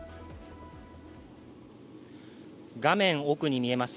画面奥に見えます